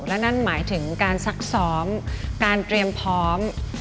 และนั่นหมายถึงการซักซ้อมการเตรียมพร้อม